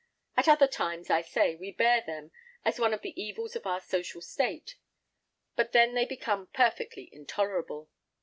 At other times, I say, we bear them as one of the evils of our social state; but then they become perfectly intolerable.